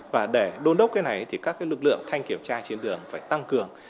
và để đôn đốc cái này thì các lực lượng thanh kiểm tra trên đường phải tăng cường